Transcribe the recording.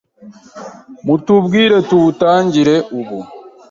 mutubwire tuwutangire ubu